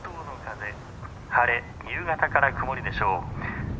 「晴れ夕方から曇りでしょう」。